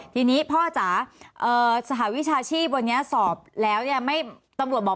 ทีนี้พ่อจ๋าสหวิชาชีพวันนี้ตำรวจบอก